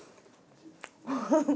ハハハハ！